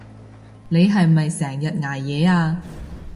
你係咪成日捱夜啊？